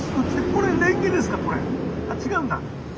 違うんだ。